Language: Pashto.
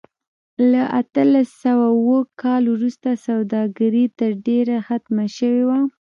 له اتلس سوه اووه کال وروسته سوداګري تر ډېره ختمه شوې وه.